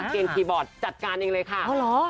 เกณฑ์คีย์บอร์ดจัดการเองเลยค่ะ